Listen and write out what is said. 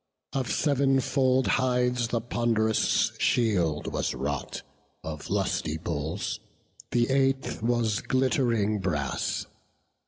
Of sev'n fold hides the pond'rous shield was wrought Of lusty bulls; the eighth was glitt'ring brass.